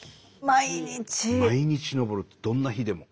毎日登るってどんな日でも。